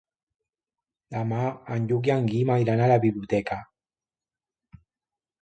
Demà en Lluc i en Guim iran a la biblioteca.